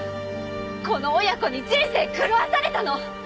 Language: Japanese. この親子に人生狂わされたの！